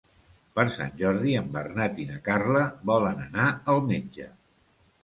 Per Sant Jordi en Bernat i na Carla volen anar al metge.